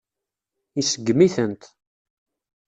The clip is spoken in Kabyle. Iseggem-itent.